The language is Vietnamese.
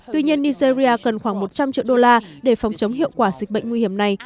tuy nhiên nigeria cần khoảng một trăm linh triệu usd để phòng chống hiệu quả dịch bệnh này